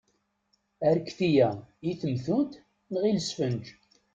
Arekti-a, i temtunt neɣ i lesfenǧ?